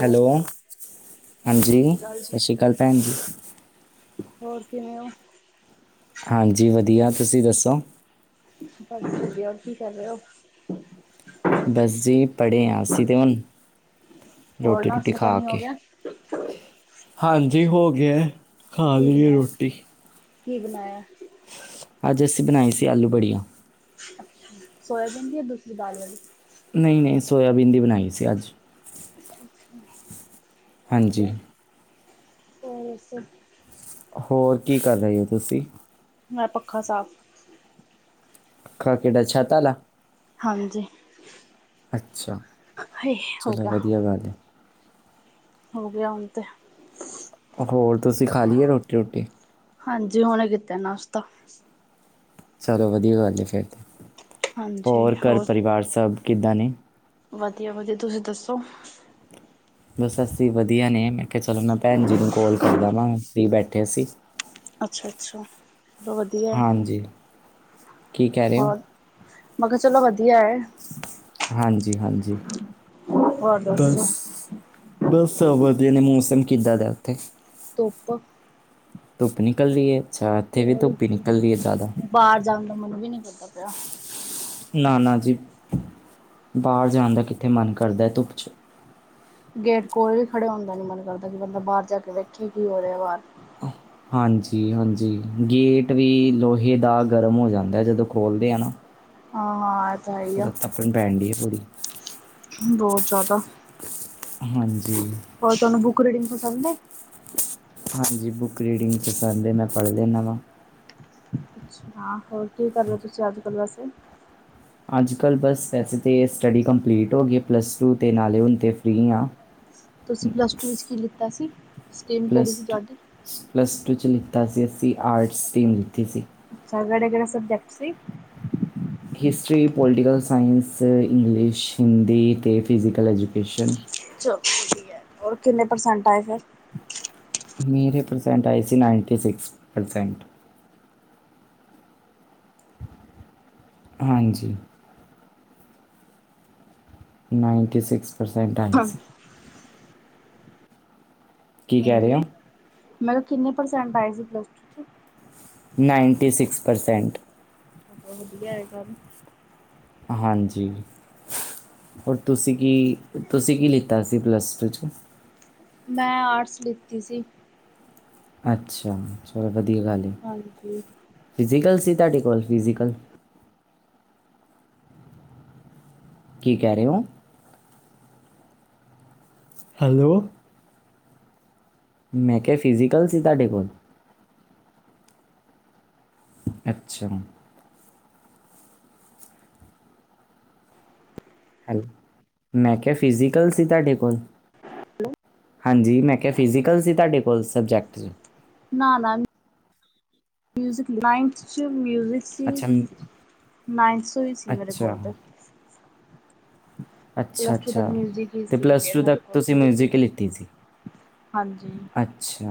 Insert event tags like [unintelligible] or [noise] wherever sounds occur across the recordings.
Hello, ਸਤਿ ਹਾਂਜੀ ਸ਼੍ਰੀ ਅਕਾਲ ਜੀ ਸਤਿ ਸ਼੍ਰੀ ਅਕਾਲ ਭੈਣ ਜੀ। ਹੋਰ ਕਿਵੇਂ ਔ? ਹਾਂਜੀ ਵਧੀਆ, ਤੁਸੀਂ ਦੱਸੋ? ਬਸ ਵਧੀਆ ਹੋਰ ਕੀ ਕਰ ਰਹੇ ਔ? ਬਸ ਜੀ ਪੜ੍ਹੇ ਹਾਂ ਅਸੀਂ ਤੇ ਹੁਣ ਹੋਰ ਰੋਟੀ ਰੂਟੀ ਨਾਸ਼ਤਾ ਖਾ ਪਾਣੀ ਹੋ ਕੇ, ਗਿਆ ਹਾਂਜੀ, ਹੋ ਗਿਆ ਖਾ ਲਈਏ ਰੋਟੀ। ਹੀ ਬਣਾਇਆ। ਅੱਜ ਅਸੀਂ ਬਣਾਈ ਸੀ ਆਲੂ ਬੜੀਆਂ, ਸੋਆਬੀਨ ਦੀ ਹੈ ਦੂਸਰੀ ਦਾਲ ਵਾਲੀ, ਨਹੀਂ-ਨਹੀਂ ਸੋਇਆਬੀਨ ਦੀ ਬਣਾਈ ਸੀ ਅੱਜ ਅੱਛਾ-ਅੱਛਾ, ਹਾਂਜੀ, ਅੱਛਾ, ਹੋਰ ਕੀ ਕਰ ਰਹੇ ਹੋ ਤੁਸੀਂ? ਮੈਂ ਪੱਖਾ ਸਾਫ਼ ਕੱਖੇ ਦਾ ਛਾਪਾ ਲਾ, ਹਾਂਜੀ, ਅੱਛਾ ਇਹ ਹੋ ਚਲੋ ਗਿਆ। ਵਧੀਆ ਗੱਲ ਹੈ ਹੋ ਗਿਆ ਹੁਣ ਤੇ, ਹੋਰ ਤੁਸੀਂ ਖਾ ਲਈਏ ਰੋਟੀ-ਰੁਟੀ? ਹਾਂਜੀ, ਹੁਣੇ ਕੀਤੇ ਨਾਸਤਾ। ਚਲੋ ਵਧੀਆ ਗੱਲ ਹੈ, ਫਿਰ ਹਾਂਜੀ ਹੋਰ ਘਰ ਪਰਿਵਾਰ ਸਭ ਕਿੱਦਾਂ ਨੇ? ਵਧੀਆ-ਵਧੀਆ, ਤੁਸੀਂ ਦੱਸੋ? ਬਸ ਅਸੀਂ ਵਧੀਆ ਨੇ ਮੈਂ ਕਿਹਾ ਚਲੋ, ਮੈਂ ਭੈਣ ਜੀ ਨੂੰ ਕਾਲ ਕਰ ਲਵਾ ਫਰੀ ਬੈਠੇ ਸੀ। ਅੱਛਾ-ਅੱਛਾ ਵਧੀਆ, ਹਾਂਜੀ ਕੀ ਕਹਿ ਰਹੇ ਹੋ ਹੋਰ ਮੈਂ ਕਿਹਾ ਚਲੋ ਵਧੀਆ ਏ, ਹਾਂਜੀ-ਹਾਂਜੀ, ਹੋਰ ਦੱਸੋ? ਬਸ ਵਧੀਆ ਨੇ ਮੌਸਮ ਕਿੱਦਾਂ ਦਾ ਉੱਥੇ ਧੁੱਪ ਧੁੱਪ ਨਿਕਲ ਰਹੀ ਹੈ, ਅੱਛਾ ਇੱਥੇ ਵੀ ਹੋਰ ਧੁੱਪ ਹੀ ਨਿਕਲ ਰਹੀ ਹੈ ਜ਼ਿਆਦਾ ਬਾਹਰ ਜਾਣ ਦਾ ਮਨ ਵੀ ਨੀ ਕਰਦਾ ਪਿਆ। ਨਾ-ਨਾ ਜੀ ਬਾਹਰ ਜਾਣ ਦਾ ਕਿੱਥੇ ਮਨ ਕਰਦਾ ਹੈ ਧੁੱਪ ਚ, ਗੇਟ ਕੋਲ ਵੀ ਖੜੇ ਹੁੰਦਾ ਨੀ ਮਨ ਕਰਦਾ ਕਿ ਬੰਦਾ ਬਾਹਰ ਜਾ ਕੇ ਵੇਖੇ ਕਿ ਉਹਦੇ ਬਾਰ ਆਹ [unintelligible] ਹਾਂਜੀ-ਹਾਂਜੀ, ਗੇਟ ਵੀ ਲੋਹੇ ਦਾ ਗਰਮ ਹੋ ਜਾਂਦਾ ਜਦੋਂ ਖੋਲਦੇ ਆ ਨਾ। ਹਾਂ-ਹਾਂ। ਤਾਂ ਹੈ ਹੀ ਆ ਆਪਣੀ ਪੈਣ ਡੀ ਹੈ ਥੋੜੀ [unintelligible] ਬਹੁਤ ਜਾਦਾ। ਹਾਂਜੀ ਹੋਰ ਤੁਆਨੂੰ ਬੁੱਕ ਰੀਡਿੰਗ ਪਸੰਦ ਐ? ਹਾਂਜੀ, ਬੁੱਕ ਰੀਡਿੰਗ ਪਸੰਦ ਐ ਮੈਂ ਪੜ੍ਹ ਲੈਣਾ ਵਾ। ਛ ਹਾਂ, ਹੋਰ ਕੀ ਕਰ ਰਏ ਓ ਤੁਸੀਂ ਅੱਜ ਕੱਲ ਵੈਸੇ? ਅੱਜ-ਕੱਲ੍ਹ ਬਸ ਵੈਸੇ ਤੇ ਸਟੱਡੀ ਕੰਪਲੀਟ ਹੋ ਗੀ ਏ, ਪਲੱਸ ਟੂ ਤੇ ਨਾਲੇ ਹੁਣ ਤੇ ਫ੍ਰੀ ਆ। ਤੁਸੀਂ ਪਲੱਸ ਟੂ ਵਿੱਚ ਕੀ ਲਿੱਤਾ ਸੀ? ਸਟੀਮ ਕੇੜੀ ਸੀ ਤੁਆਡੀ? ਵਿੱਚ ਲਿੱਤਾ ਸੀ। ਅਸੀਂ ਆਰਟਸ ਸਟੀਮ ਲੀਤੀ ਸੀ। ਸਗੜਗੜ ਸਭ ਜੈਪਸੀ [unintelligible] history, political science, English, Hindi ਅਤੇ ਫਿਜੀਕਲ ਐਜੂਕੇਸ਼ਨ। ਚਲ ਵਧਿਆ। ਔਰ ਕਿੰਨੇ ਪਰਸੈਂਟ ਆਏ ਫੇਰ? ਮੇਰੇ ਪ੍ਰਸੈਂਟ ਆਏ ਸੀ। Ninety six percent. ਹਾਂਜੀ। ਨਾਈਨਟੀ ਸਿਕਸ ਪਰਸੈਂਟ ਆਏ ਸੀ। ਕੀ ਕਹਿ ਰਹੇ ਹਾਂਜੀ। ਹੋ ਮਲਬ ਕਿੰਨੇ ਪ੍ਰਸੈਂਟ ਆਏ ਸੀ ਪਲੱਸ ਟੂ ਚ? Ninety six percent. ਵਧੀਆ ਏ ਕੰਮ। ਹਾਂਜੀ। ਹੋਰ ਤੁਸੀਂ ਕੀ ਤੁਸੀਂ ਕੀ ਲਿੱਤਾ ਸ ਸੀ ਪਲੱਸ ਟੂ ਚ' ' [unintelligible] ਮੈਂ ਆਰਟਸ ਲਿਤੀ ਸੀ। ਅੱਛਾ ਚਲ ਵਧੀਆ ਗੱਲ ਏ। ਹਾਂਜੀ ਫਿਜੀਕਲ ਸੀ ਤਾਡੇ ਕੋਲ ਫਿਜੀਕਲ? ਕੀ ਕਹ ਰੇ ਓ? ਹੈਲੋ। ਮੈਂ ਕਿਆ ਫਿਜ਼ੀਕਲ ਸੀ ਤਾਡੇ ਕੋਲ? ਅੱਛਾ। ਹੈਲ। ਮੈਂ ਕਿਆ ਫਿਜ਼ੀਕਲ ਸੀ ਤਾਡੇ ਕੋਲ? ਹਾਂਜੀ ਮੈਂ ਕਿਆ ਫਿਜ਼ੀਕਲ ਸੀ ਤਾਡੇ ਕੋਲ ਸਬਜੈਕਟ ਚ? ਨਾ ਨਾ ਮ ਮਿਊਜ਼ਿਕ ਦੀ ਲਾਇੰਨ ਚ ਸੀ। ਮਿਊਜ਼ਿਕ ਸੀ। ਅੱਛਾ ਮ- ਨਾਈਨਥ ਚੋਂ ਈ ਸੀ ਮੇਰੇ ਅੱਛਾ ਕੋਲ ਤੇ। ਅੱਛਾ ਪਲੱਸ ਟੂ ਤੱਕ ਅੱਛਾ ਮਿਊਜ਼ਿਕ ਹੀ ਤੇ ਸੀ ਪਲੱਸ ਫੇਰ ਮੇਰੇ ਤੱਕ ਕੋਲ ਤੁਸੀਂ ਤੇ। ਮਿਊਜ਼ਿਕ ਲਿੱਤੀ ਸੀ ਹਾਂਜੀ। ਅੱਛਾ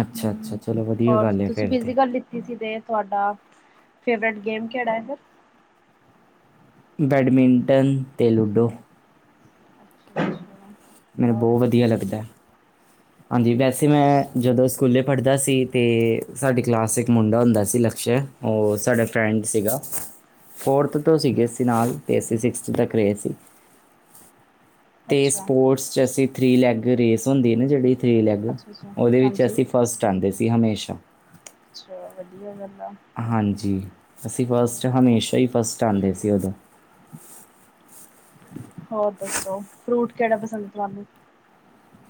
ਅੱਛਾ ਅੱਛਾ ਹਮ। ਚਲੋ ਵਧੀਆ ਹੋਰ ਗੱਲ ਹੈ ਤੁਸੀਂ ਫਿਰ ਤੇ ਫਿਜੀਕਲ ਲਿੱਤੀ ਸੀ ਤੇ ਤੁਆਡਾ ਫੇਵਰੇਟ ਗੇਮ ਕੇੜਾ ਏ ਫੇਰ? ਬੈਡਮਿੰਟਨ ਤੇ ਲੂਡੋ। ਅੱਛਾ ਅੱਛਾ ਮੀਨੂੰ ਔਰ ਬੋ ਵਧੀਆ ਲੱਗਦਾ। ਹਾਂਜੀ ਵੈਸੇ ਮੈਂ ਜਦੋਂ ਸਕੂਲੇ ਪੜ੍ਹਦਾ ਸੀ ਤੇ ਸਾਡੀ ਕਲਾਸ ਚ ਇੱਕ ਮੁੰਡਾ ਹੁੰਦਾ ਸੀ ਨ ਅਛੇ। ਹੋਰ ਸਾਡਾ ਫਰੈਂਡ ਸੀਗਾ। ਫੋਰਥ ਤੋਂ ਸੀਗੇ ਅਸੀ ਨਾਲ ਤੇ ਅਸੀ ਸਿਕਸਥ ਤੱਕ ਰਏ ਸੀ। ਅੱਛਾ। ਸਪੋਰਟਸ ਤੇ ਅਸੀਂ ਥ੍ਰਰੀ ਲੈਗ ਰੇਸ ਹੁੰਦੀ ਨਾ ਜਿਹੜੀ ਥ੍ਰਰੀ ਲੈਗ ਅੱਛਾ ਅੱਛਾ ਉਹਦੇ ਵਿੱਚ ਹਾਂਜੀ ਅਸੀਂ ਫਸਟ ਆਉਂਦੇ ਸ ਹਮੇਸ਼ਾ। ਅੱਛਾ। ਵਧੀਆ ਗੱਲ। ਆ ਹਾਂਜੀ। ਅਸੀਂ ਫਸਟ ਹਮੇਸ਼ਾ ਈ ਫਸਟ ਆਂਦੇ ਸੀ ਉਦੋਂ। ਹੋਰ ਦੱਸੋ। ਫਰੂਟ ਕੇੜਾ ਪਸੰਦ ਤੁਆਨੂੰ?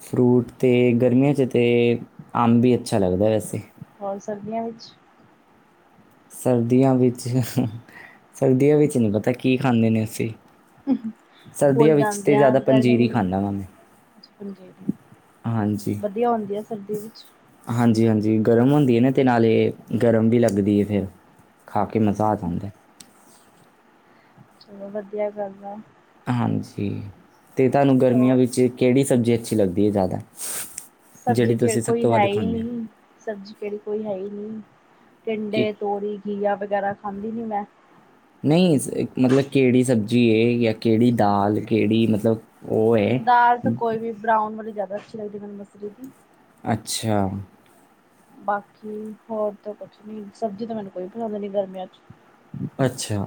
ਫਰੂਟ ਅਤੇ ਗਰਮੀਆਂ 'ਚ ਤਾਂ ਅੰਬ ਵੀ ਅੱਛਾ ਲੱਗਦਾ ਵੈਸੇ ਹੋਲ ਸਰਦੀਆਂ ਵਿੱਚ ਸਰਦੀਆਂ ਵਿੱਚ ਸਰਦੀਆਂ ਵਿੱਚ ਨਹੀਂੀ ਪਤਾ ਕੀ ਖਾਂਦੇ ਨੇ ਅਸੀਂ ਸਰਦੀਆਂ ਵਿੱਚ ਤੇ ਫੁੱਲਦਉਂਦੇ ਆ ਜ਼ਿਆਦਾ ਪੰਜੀਰੀ ਗਰਮੀੇ ਖਾਂਦਾ ਵਾਂ ਮੈਂ ਦੀ ਹਾਂਜੀ। ਵਧੀਆ ਹੁੰਦੀ ਆ ਸਰਦੀ ਵਿੱਚ ਹਾਂਜੀ ਹਾਂਜੀ ਗਰਮ ਹੁੰਦੀ ਹੈ ਨਾ ਅਤੇ ਨਾਲੇ ਗਰਮ ਵੀ ਲੱਗਦੀ ਹੈ ਫਿਰ ਖਾ ਕੇ ਮਜ਼ਾ ਆ ਜਾਂਦਾ ਚਲੋ ਵਧੀਆ ਗੱਲ ਆ। ਹਾਂਜੀ ਤੇ ਤੁਹਾਨੂੰ ਗਰਮੀਆਂ ਔਰ ਵਿੱਚ ਕਿਹੜੀ ਸਬਜ਼ੀ ਅੱਛੀ ਲੱਗਦੀ ਹੈ ਜ਼ਿਆਦਾ ਸਬਜ਼ੀ ਜਿਹੜੀ ਕਿ ਤੁਸੀਂ ਸਭ ਕੋਈ ਤੋਂ ਹੈ ਵੱਧ ਹੀ ਖਾਂਦੇ ਹੋ? ਨਹੀਂ ਸਬਜ਼ੀ ਕਿਹੜੀ ਕੋਈ ਹੈ ਹੀ ਨਹੀਂ ਕਿ ਟਿਂਡੇ ਤੋਰੀ ਘੀਆ ਵਗੈਰਾ ਖਾਂਦੀ ਨ ਮੈਂ ਨਹੀਂ ਮਤਲਬ ਕਿਹੜੀ ਸਬਜ਼ੀ ਜਾਂ ਕਿਹੜੀ ਦਾਲ ਕਿਹੜੀ ਮਤਲਬ ਉਹ ਹੈ ਦਾਲ ਤੇ ਕੋਈ ਵੀ ਬਰਾਊਨ ਵਾਲੀ ਜ਼ਿਆਦਾ ਅੱਛੀ ਲੱਗਦੀ ਮੈਨੂੰ ਮਸਰੀ ਦੀ ਅੱਛਾ ਬਾਕੀ ਹੋਰ ਤਾਂ ਕੁਛ ਨੀ ਸਬਜ਼ੀ ਤਾਂ ਮੈਨੂੰ ਕੋਈ ਪਸੰਦ ਨਹੀਂ ਗਰਮੀਆਂ 'ਚ ਅੱਛਾ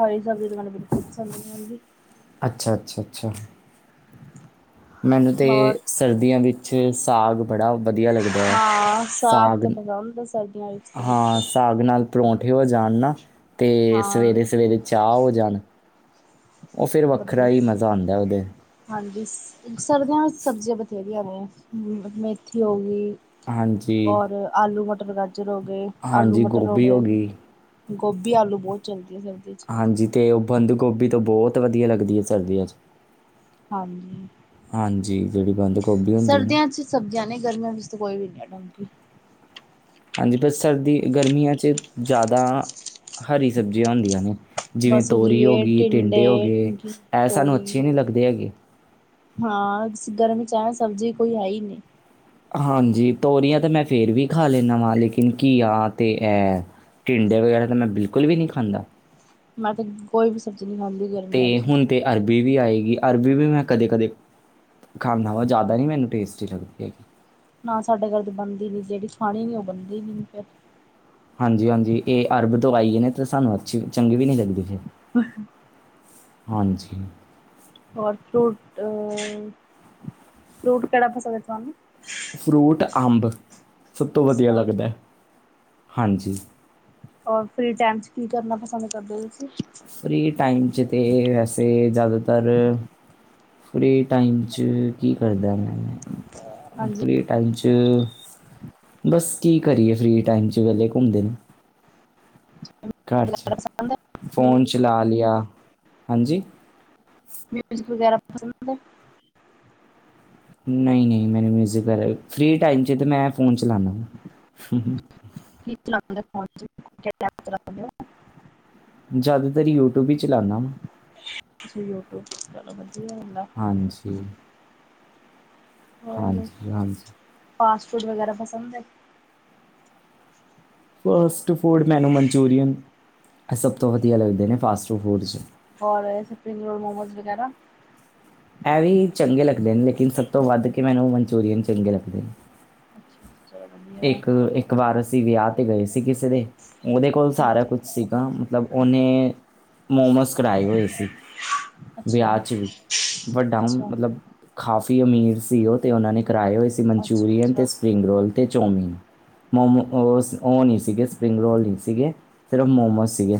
ਹਰੀ ਸਬਜ਼ੀ ਤੇ ਮੈਨੂੰ ਬਿਲਕੁਲ ਪਸੰਦ ਨਹੀਂ ਆਉਂਦੀ। ਅੱਛਾ, ਅੱਛਾ, ਅੱਛਾ। ਮੈਨੂੰ ਤਾਂ ਹੋਰ ਸਰਦੀਆਂ ਵਿੱਚ ਸਾਗ ਬੜਾ ਵਧੀਆ ਲੱਗਦਾ ਹੈ ਹਾਂ ਸਾਗ ਤਾਂ ਪਸੰਦ ਆ ਸਰਦੀਆਂ ਵਿੱਚ ਤਾਂ ਹਾਂ ਬਿਲਕੁਲ ਸਾਗ ਨਾਲ ਪਰੌਂਠੇ ਹੋ ਜਾਣ ਨਾ ਤੇ ਹਾਂ ਸਵੇਰੇ- ਸਵੇਰੇ ਚਾਹ ਹੋ ਜਾਣ ਉਹ ਫਿਰ ਵੱਖਰਾ ਵਧੀਆ ਹੀ ਮਜ਼ਾ ਆਉਂਦਾ ਉਹਦੇ ਹਾਂਜੀ ਸਰਦੀਆਂ ਵਿੱਚ ਸਬਜ਼ੀਆਂ ਬਥੇਰੀਆਂ ਨੇ ਮੇਥੀ ਹੋ ਗਈ। ਹਾਂਜੀ ਔਰ ਆਲੂ ਮਟਰ ਗਾਜਰ ਹੋ ਗਏ ਆਲੂ ਹਾਂਜੀ ਮਟਰ ਹੋ ਗੋਭੀ ਗਏ। ਗਈ ਗੋਭੀ ਆਲੂ ਬਹੁਤ ਚਲਦੀ ਹਾਂਜੀ ਤੇ ਉਹ ਬੰਦੂ ਗੋਭੀ ਤੋਂ ਬਹੁਤ ਵਧੀਆ ਲੱਗਦੀ ਹੈ ਸਰਦੀਆਂ 'ਚ ਹਾਂਜੀ ਜਿਹੜ ਬੰਦ ਗੋਭੀ ਹੁੰਦੀ ਹੈ ਨਾ ਸਰਦੀਆਂ 'ਚ ਸਬਜ਼ੀਆਂ ਨਹੀਂ ਗਰਮੀਆਂ ਵਿੱਚ ਤਾਂ ਕੋਈ ਵੀ ਨਹੀਂ ਹੈ ਟੰਗ ਦੀ ਹਾਂਜੀ ਬਸ ਸਰਦੀ ਗਰਮੀਆਂ ''ਚ ਜ਼ਿਆਦਾ ਹਰੀ ਸਬਜ਼ੀਆਂ ਹੁੰਦੀਆਂ ਨੇ। ਜਿਵੇਂ ਬਸ ਤੋਰੀ ਹੋ ਘੀਏ ਗਈ ਟਿੰਡੇ ਹੋ ਗਏ ਇਹ ਸਾਨੂੰ ਤੋਰੀ ਅੱਛੇ ਨਹੀਂ ਲੱਗਦੇ ਹੈਗੇ। ਹਾਂ ਗਰਮ ਚਾਹ ਸਬਜ਼ੀ ਕੋਈ ਹੈ ਹੀ ਨਹੀਂ ਹਾਂਜੀ ਤੋਰੀਆਂ ਤਾਂ ਮੈਂ ਫੇਿਰ ਵੀ ਖਾ ਲੈਂਦਾ ਵਾਂ ਲੇਕਿਨ ਘੀਆ ਤੇ ਹੈ ਟੀਂਡੇ ਵਗੈਰਾ ਤਾਂ ਮੈਂ ਬਿਲਕੁਲ ਵੀ ਨਹੀਂ ਖਾਂਦਾ। ਮੈਂ ਤੇ ਬ ਕੋਈ ਵੀ ਸਬਜ਼ੀ ਨਹੀਂ ਖਾਂਦੀ ਤੇ ਗਰਮੀਆਂ 'ਚ ਹੁਣ ਤੇ ਅਰਬੀ ਆਏਗੀ ਅਰਬੀ ਵੀ ਮੈਂ ਕਦੇ ਕਦੇ ਖਾਂਦਾ ਵਾਂ ਜ਼ਿਆਦਾ ਨਹੀਂ ਮੈਨੂੰ ਟੇਸਟੀ ਲੱਗਦੀ ਹੈਗੀ। ਨਾ ਸਾਡੇ ਘਰ ਤਾਂ ਬਣਦੀ ਨੀ ਜਿਹੜੀ ਖਾਣੀ ਨੀ ਉਹ ਬਣਦੀ ਨ ਫਿਰ ਹਾਂਜੀ- ਹਾਂਜੀ ਇਹ ਅਰਬ ਤੋਂ ਆਈਏ ਨੇ ਤੇ ਸਾਨੂੰ ਅੱਛੀ ਚੰਗੀ ਵੀ ਨਹੀਂ ਲੱਗਦੀ। ਹਾਂਜੀ ਹੋਰ ਫਰੂਟ ਅ ਫਰੂਟ ਕਿਹੜਾ ਪਸੰਦ ਏ ਤੁਹਾਨੂੰ ਫਰੂਟ ਅੰਬ ਸਭ ਤੋਂ ਵਧੀਆ ਅੱਛਾ ਲੱਗਦਾ ਹਾਂਜੀ। ਰ ਫਰੀ ਟਾਈਮ 'ਚ ਕੀ ਕਰਨਾ ਪਸੰਦ ਕਰਦੇ ਹੋ ਤੁਸੀਂ ਫ੍ਰਰੀ ਟਾਈਮ 'ਚ ਤਾਂ ਵੈਸੇ ਜ਼ਿਆਦਾਤਰ ਫਰੀ ਟਾਈਮ' ਚ ਕੀ ਕਰਦਾ ਮੈਂ ਹਾਂਜੀ ਫਰੀ ਟਾਈਮ 'ਚ ਬਸ ਕੀ ਕਰੀਏ ਫ੍ਰੀ ਟਾਈਮ ਵੇਲੇ ਘੁੰਮਦੇ ਨੇ ਘਰ 'ਚ ਫੋਨ ਚਲਾ ਲਿਆ ਹਾਂਜੀ। ਮਿਊਜ਼ਿਕ ਵਗੈਰਾ ਪਸੰਦ ਹੈ। ਨਹੀਂ -ਨਹੀਂ ਮੈਨੂੰ ਮਿਊਜਿਕ ਵਗੈਰਾ ਫ੍ਰਰੀ ਟਾਈਮ 'ਚ ਮੈਂ ਫੋਨ ਚ ਚਲਾਨ [inaudible] ਕੀ [unintelligible] ਜ਼ਿਆਦਾਤਰ ਯੂਟਿਊਬ ਹੀ ਚਲਾਨਾ ਮੈਂ [unintelligible] ਚਲੋ ਵਧੀਆ ਹੋਂਦਾ। ਹਾਂਜੀ ਹੋਰ ਹਾਂਜੀ ਹਾਂਜੀ ਫਾਸਟ ਫੂਡ ਵਗੈਰਾ ਪਸੰਦ ਹੈ। ਫਾਸਟ ਫੂਡ ਮੈਨੂੰ ਮਨਚੂਰੀਅਨ ਸਭ ਤੋਂ ਵਧੀਆ ਲੱਗਦੇ ਨੇ ਫਾਸਟ ਫੂਡ 'ਚ ਹੋਰ ਏ ਸਪਰਿੰਗ ਰੋਲ ਮੋਮੋਜ਼ ਵਗੈਰਾ ਏਵੀ ਚੰਗੇ ਲੱਗਦੇ ਨੇ ਲੇਕਿਨ ਸਭ ਤੋਂ ਵੱਧ ਕੇ ਮੈਨੂੰ ਮਨਚੂਰੀਅਨ ਚੰਗੇ ਲੱਗਦੇ ਨੇ ਅੱਛਾ ਚਲੋ ਵਧੀਆ ਹੈ ਇੱਕ ਇੱਕ ਵਾਰ ਅਸੀਂ ਵਿਆਹ ਤੇ ਗਏ ਸੀ ਕਿਸ ਉਹਦੇ ਕੋਲ ਸਾਰਾ ਹਾਂਜੀ ਕੁਛ ਸੀਗਾ ਮਤਲਬ ਉਹਨੇ ਮੋਮੋਸ ਕਰਾਏ ਹੋਏ ਸੀ ਅੱਛਾ ਵਿਆਹ ਚ ਵੀ ਵੱਡਾ ਅੱਛਾ ਅੱਛਾ ਮਤਲਬ ਖਾਸ -ਈ ਅਮੀਰ ਸੀ ਤੇ ਉਹਨਾਂ ਨੇ ਕਰਾਏ ਹੋਏ ਸੀ ਮਨਚੂਰੀਅਨ ਅੱਛਾ ਤੇ ਸਪਰਿੰਗ ਰੋਲ ਤੇ ਚੌਮੀਨ। ਮੋਮੋਜ ਉਹ ਨਹੀਂ ਸੀਗੇ ਸਪਰਿੰਗ ਰੋਲ ਸੀਗੇ ਸਿਰਫ ਮੋਮੋਜ ਸੀਗੇ।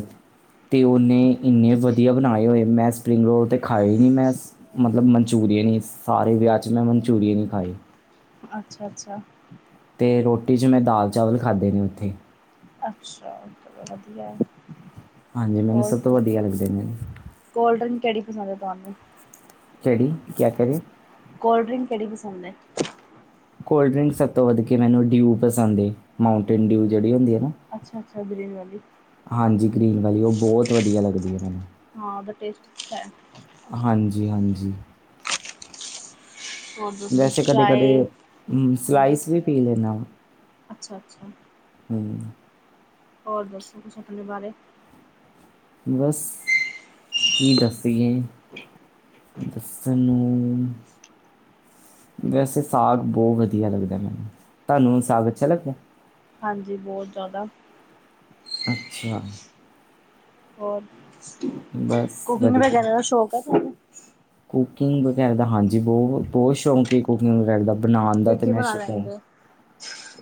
ਤੇ ਉਹਨੇ ਇੰਨੇ ਵਧੀਆ ਬਣਾਏ ਹੋਏ ਮੈ ਸਪਰਿੰਗ ਰੋਲ ਤੇ ਖਾਏ ਨੀ ਮੇਸ ਮਤਲਬ ਮਨਚੂ ਬਈ ਏਨੇ ਸਾਰੇ ਵਿਆਹ ਚ ਮੈ ਮਨਚੂਰੀਅਨ ਹੀ ਖਾਏ। ਅੱਛਾ- ਅੱਛਾ। ਤੇ ਰੋਟੀ ਚ ਮੈਂ ਦਾਲ ਚਾਵਲ ਖਾਦੇ ਨੇ ਉੱਥੇ। ਅੱਛਾ ਚਲੋ ਵਦਿਆ ਹੈ। ਹਾਂਜੀ, ਮੈਨੂੰ ਔਰ ਸਭ ਤੋਂ ਵਦਿਆ ਲੱਗਦੇ ਨੇ। ਕੋਲਡ ਡਰਿੰਕ ਕਿਹੜੀ ਪਸੰਦ ਹੈ ਤੁਹਾਨੂੰ ਕਿਹੜੀ ਕਿਆ ਕਹਿ ਰਹੇ ਕੋਲਡ ਡਰਿੰਕ ਕਿਹੜੀ ਪਸੰਦ ਹੈ? ਕੋਲਡ ਡਰਿੰਕ ਸਭ ਤੋਂ ਵਧ ਕੇ ਮੈਨੂੰ ਡਿਊ ਪਸੰਦ ਏ ਮਾਉਂਟੇਨ ਡਿਊ ਜਿਹੜੀ ਹੁੰਦੀ ਹੈ ਨਾ। ਅੱਛਾ-ਅੱਛ ਗਰੀਨ ਵਾਲੀ ਹਾਂਜੀ, ਗਰੀਨ ਵਾਲੀ ਉਹ ਬੋਹਤ ਵਦਿਆ ਲੱਗਦੀ ਹੈ ਮੈਨੂੰ। ਹਾਂ ਉਹਦਾ ਟੇਸਟ ਅੱਛਾ ਹੈ - ਹਾਂਜੀ - ਹਾਂਜੀ। ਹੋਰ ਦੱਸੋ ਵੈਸੇ ਕਦੇ ਚਾਏ? ਕਦੇ ਹਾਂਜੀ। ਸਲਾਈਸ ਵੀ ਪੀ ਲੈਂਦਾ ਅੱਛ- ਅੱਛਾ ਹਮ ਹੋਰ ਦੱਸੋ ਕੁਛ ਆਪਣੇ ਬਾਰੇ? ਬਸ ਕੀ ਦੱਸੀਏ। ਦੱਸਣ ਨੂੰ ਵੈਸੇ ਸਾਗ ਬੋ ਵਧੀਆ ਲੱਗਦਾ ਹੈ ਮੈਨੂੰ ਤਾਨੂ ਸਾਗ ਅੱਛਾ ਲੱਗਦਾ? ਹਾਂਜੀ ਬਹੁਤ ਜਾਦਾ ਅੱਛਾ ਹੋਰ ਬਸ ਕੁਕਿੰਗ ਵਧੀਆ ਵਗੈ ਦਾ ਸ਼ੌਕ ਹੈ ਤੁਹਾਨੂੰ? ਕੁਕਿੰਗ ਵਗੈਰਾ ਦਾ ਹਾਂਜੀ ਬਹੁ ਬਹੁਤ ਸ਼ੌਂਕ ਹੈ ਕੁਕਿੰਗ ਵਗੈਰਾ ਦਾ। ਬਣਾਉਣ ਦਾ ਕੀ ਤੇ ਕੀ ਮੈ ਬਣਾ ਲੈਂਦੇ ਹੋ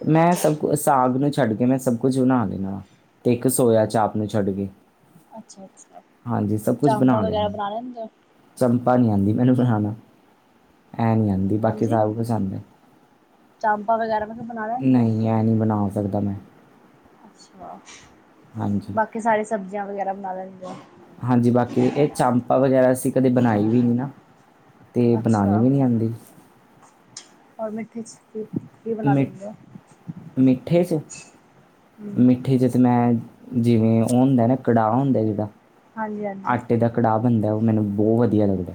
ਮੈਂ ਸਭ ਸਾਗ ਨੂੰ ਛੱਡ ਕੇ ਮੈਂ ਸਭ ਕੁਝ ਬਣਾ ਲੈਣਾ ਤੇ ਇੱਕ ਸੋਇਆ ਚਾਪ ਨੂੰ ਛੱਡ ਕੇ। ਅੱਛਾ-ਅੱਛਾ ਹਾਂਜੀ ਸਭ ਚਾਂਪਾਂ ਵਗੈਰਾ ਬਣਾ ਲੈਂਦੇ ਹੋ? ਦਾਲ ਨੀ ਆਉਂਦੀ ਮੈਨੂੰ ਬਨਾਣਾ। ਐ ਨਹੀਂ ਆਂਦੀ ਬਾਕੀ ਹਾਂਜੀ ਸਾਰਾ ਕੁਛ ਆਂਦਾ ਹੈ। ਚਾਂਪਾਂ ਵਗੈਰਾ ਮੈਂ ਕਿਹਾ ਬਣਾ ਲੈਂਦੇ ਹੋ ਨਹੀਂ ਇਹ ਨਹੀਂ ਬਣਾ ਸਕਦਾ ਮੈਂ ਅੱਛਾ, ਹਾਂਜੀ ਬਾਕੀ ਸਾਰੀ ਸਬਜ਼ੀਆਂ ਵਗੈਰਾ ਬਨਾ ਲੈਂਦੇ ਹੋ। ਹਾਂਜੀ, ਬਾਕੀ ਇਹ ਚਾਮਪਾ ਵਗੈਰਾ ਅਸੀਂ ਕਦੇ ਬਣਾਈ ਵੀ ਨਹੀਂ ਨਾ ਤੇ ਬਣਾਨੀ ਅੱਛਾ ਵੀ ਨਹੀਂ ਆਂਦੀ। ਔਰ ਮਿੱਠੇ 'ਚ? ਕੀ ਕੀ ਬਣਾ ਮਿ ਲੈਂਦੇ ਹੋ ਮਿੱਠੇ ਚ ਹੂੰ ਮਿੱਠੇ ਚ ਸਮੈ ਜਿਵੇਂ ਉਹ ਹੁੰਦਾ ਹੈ ਨਾ ਕੜਾਹ ਹੁੰਦਾ ਨਾ ਜਿਦਾ ਹਾਂਜੀ-ਹਾਂਜੀ ਹੂੰਦਾ ਹੈ ਉ ਮੈਨੂੰ ਬੋ ਵਧੀਆ ਲੱਗਦੈ‌।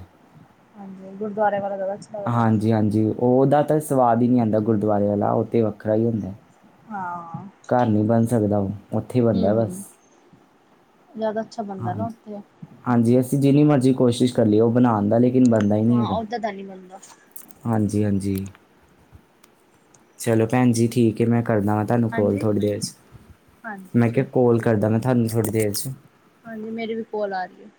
ਹਾਂਜੀ ਗੁਰਦੁਆਰੇ ਵਾਲਾ ਜ਼ਿਆਦਾ ਅੱਛਾ ਲੱਗਦਾ ਹਾਂਜੀ - ਹਾਂਜੀ, ਓਹਦਾ ਤਾਂ ਸਵਾਦ ਹੀ ਨੀ ਆੰਦਾ ਗੁਰਦੁਆਰੇ ਵਾਲਾ ਓਹ ਤੇ ਵੱਖਰਾ ਹੀ ਹੁੰਦੈ। ਹਾਂ ਸਕਦਾ ਔਥੇ ਹੀ ਬਣਦਾ ਹੈ ਬਸ। ਜਾਦਾ ਅੱਛਾ ਬੰਨਦਾ ਨਾ ਹਾਂਜੀ ਔਥੇ। ਹਾਂਜੀ ਜਿੰਨੀ ਮਰਜ਼ੀ ਕੋਸ਼ਿਸ਼ ਕਰ ਲਈ ਓਹ ਬਣਾਣ ਦਾ ਲੇਕਿ ਹਾਂ ਓਦਾਂ ਦਾ ਨੀ ਬਣਦਾ ਹਾਂਜੀ -ਹਾਂਜੀ, ਚਲੋ ਭੈਣ ਜੀ ਠੀਕ ਹੈ ਮੈਂ ਕਰਦਾ ਵਾਂ ਤੁਹਾਨੂੰ ਕੋਲ ਹਾਂਜੀ ਥੋੜ੍ਹੀ ਦੇਰ 'ਚ‌। ਹਾਂਜੀ ਮੈਂ ਕਿਹਾ ਠੀਕ ਹੈ ਕੋਲ ਕਰਦਾ ਮੈਂ ਥਾਨੂੰ ਥੋੜ੍ਹੀ ਦੇਰ ਚ। ਹਾਂਜੀ ਮੇਰੀ ਵੀ ਕੋਲ ਆ ਰਹੀ ਹੈ।